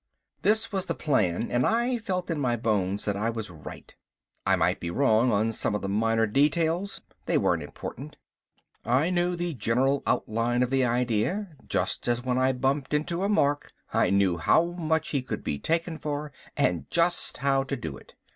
This was the plan and I felt in my bones that I was right. I might be wrong on some of the minor details, they weren't important. I knew the general outline of the idea, just as when I bumped into a mark I knew how much he could be taken for, and just how to do it.